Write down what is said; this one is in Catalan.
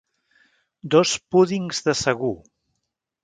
Dos púdings de sagú.